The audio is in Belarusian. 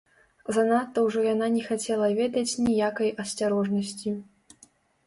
Занадта ўжо яна не хацела ведаць ніякай асцярожнасці.